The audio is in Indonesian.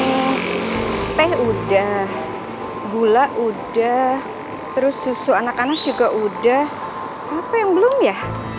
ini teh udah gula udah terus susu anak anak juga udah apa yang belum ya